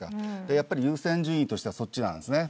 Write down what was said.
優先順位としてはそっちなんですね。